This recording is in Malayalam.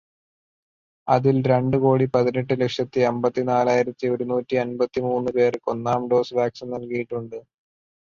അതില് രണ്ടു കോടി പതിനെട്ടുലക്ഷത്തി അമ്പത്തിനാലായിരത്തി ഒരു നൂറ്റി അമ്പത്തിമൂന്നു പേര്ക്ക് ഒന്നാം ഡോസ് വാക്സിൻ നൽകിയിട്ടുണ്ട്.